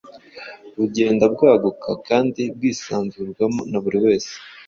bugenda bwaguka kandi bwisanzurwamo na buri wese.